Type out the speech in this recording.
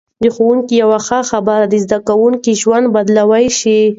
د ښوونکي یوه ښه خبره د زده کوونکي ژوند بدلولای شي.